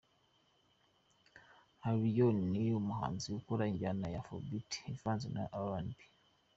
Alllioni: Ni umuhanzi ukora injyana ya Afrobeat ivanze na RnB.